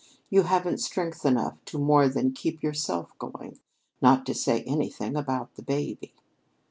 You haven't strength enough to more than keep yourself going, not to say anything about the baby."